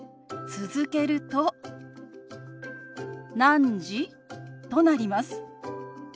続けると「何時？」となります。